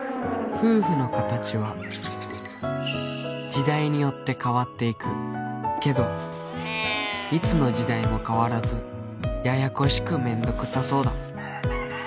夫婦の形は時代によって変わっていくけどいつの時代も変わらずややこしくめんどくさそうだ